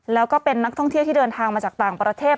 แล้วก็เป็นนักท่องเที่ยวที่เดินทางมาจากต่างประเทศ